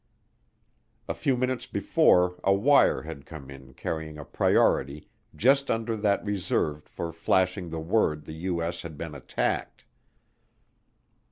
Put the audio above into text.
A few minutes before a wire had come in carrying a priority just under that reserved for flashing the word the U.S. has been attacked.